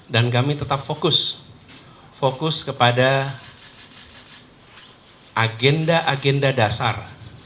dan kami tetap fokus fokus kepada agenda agenda dasar